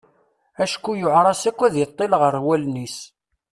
Acku yuɛer-as akke ad iṭil ɣer wallen-is.